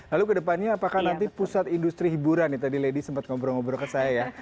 lalu kedepannya apakah nanti pusat industri hiburan nih tadi lady sempat ngobrol ngobrol ke saya ya